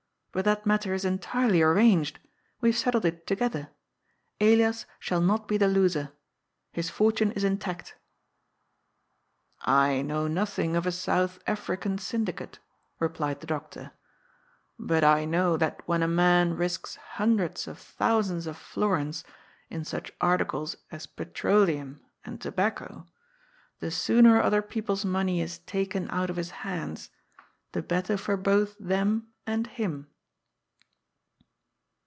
But that matter is entirely arranged. We have settled it together. Elias shall not be the loser. His fortune is intact." " I know nothing of a South African Syndicate," replied the doctor, " but I know that when a man risks hundreds of thousands of florins in such articles as petroleum and tobacco, the sooner other people's money is taken out of his hands, the better for both them and him."